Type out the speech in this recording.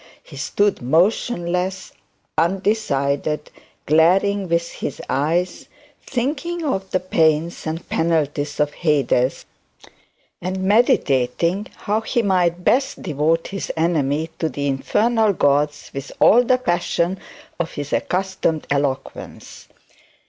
He stood motionless, undecided, glaring with his eyes, thinking of the pains and penalties of Hades, and meditating how he might best devote his enemy to the infernal gods with all the passion of his accustomed eloquence.